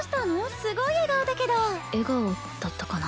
すごい笑顔だけど笑顔だったかな